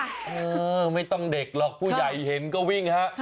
เออไม่ต้องเด็กหรอกผู้ใหญ่เห็นก็วิ่งฮะ